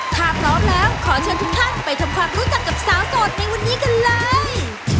ถ้าพร้อมแล้วขอเชิญทุกท่านไปทำความรู้จักกับสาวโสดในวันนี้กันเลย